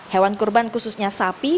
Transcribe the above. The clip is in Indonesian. hewan kurban khususnya sapi